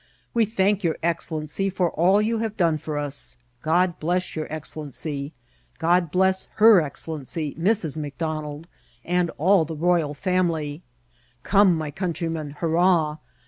We thank your excellency for all you have done for us. God bless your excellency ! God bless her excellency, Mrs. McDonald, and all the royal family ! Come, my countymen, hurrah